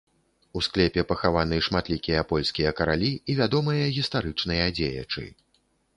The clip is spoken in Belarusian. У склепе пахаваны шматлікія польскія каралі і вядомыя гістарычныя дзеячы.